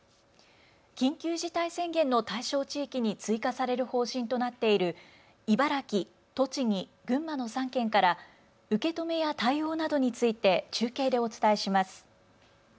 緊急事態宣言の対象地域に追加される方針となっている茨城、栃木、群馬の３県から受け止めや対応などについて中継でお伝えします。